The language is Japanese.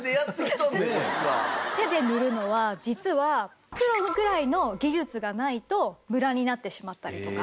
手で塗るのは実はプロぐらいの技術がないとムラになってしまったりとか。